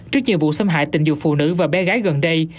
trước nhiều vụ xâm hại tình dục phụ nữ và bé gái gần đây